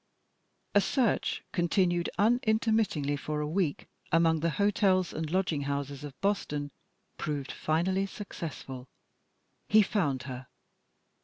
A search, continued unintermittingly for a week among the hotels and lodging houses of Boston, proved finally successful. He found her.